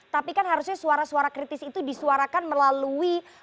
tapi kan harusnya suara suara kritis itu disuarakan melalui fraksi fraksi pandemi